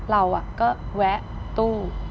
เราก็แวะตู้